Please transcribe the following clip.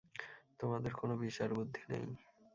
তোমাদের কোনো বিচার-বুদ্ধি নেই!